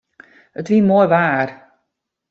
It wie moai waar.